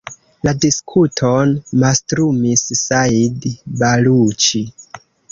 La diskuton mastrumis Said Baluĉi.